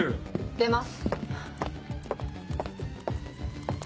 出ます。